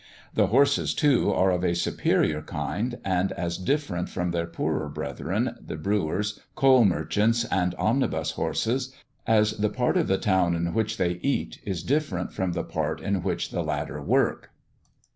The horses, too, are of a superior kind, and as different from their poorer brethren, the brewer's, coal merchant's, and omnibus horses, as the part of the town in which they eat is different from the part in which the latter work.